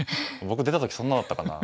僕出た時そんなだったかな。